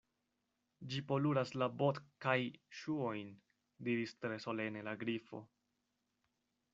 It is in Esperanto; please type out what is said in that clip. "Ĝi poluras la bot-kaj ŝuojn," diris tre solene la Grifo.